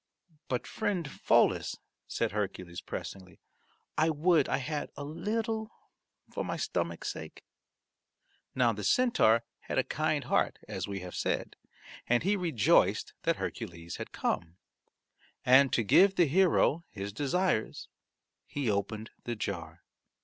"But friend Pholus," said Hercules pressingly, "I would I had a little for my stomach's sake." Now the centaur had a kind heart as we have said, and he rejoiced that Hercules had come, and to give the hero his desires he opened the jar.